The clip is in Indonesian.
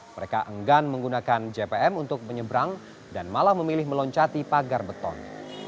mereka enggan menggunakan jpm untuk menyeberang dan malah memilih meloncati pagar beton